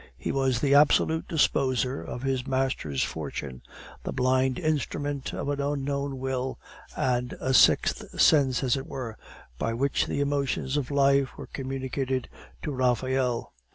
He was the absolute disposer of his master's fortune, the blind instrument of an unknown will, and a sixth sense, as it were, by which the emotions of life were communicated to Raphael.